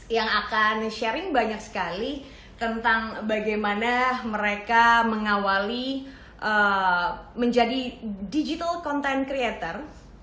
yang akan sharing banyak sekali tentang bagaimana mereka mengawali menjadi digital content creator